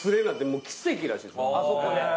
あそこで。